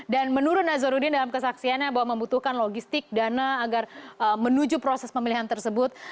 dan menurut nazaruddin dalam kesaksiannya bahwa membutuhkan logistik dana agar menuju proses pemilihan tersebut